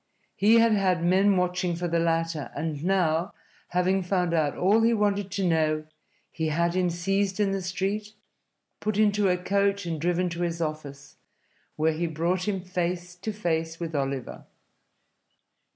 He had had men watching for the latter and now, having found out all he wanted to know, he had him seized in the street, put into a coach and driven to his office, where he brought him face to face with Oliver.